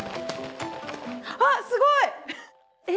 あっすごい！